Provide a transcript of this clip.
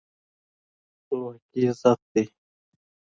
خپلواکي عزت دی.